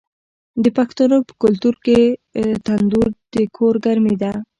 د پښتنو په کلتور کې تندور د کور ګرمي ده.